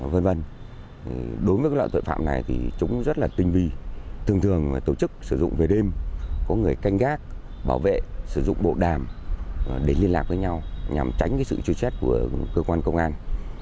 v v đối với loại tội phạm này thì chúng rất là tinh vi thường thường tổ chức sử dụng về đêm có người canh gác bảo vệ sử dụng bộ đàm để liên lạc với nhau nhằm tránh sự truy xét của cơ quan công an